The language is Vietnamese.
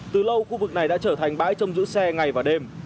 từ lâu khu vực này đã trở thành bãi trông giữ xe ngày và đêm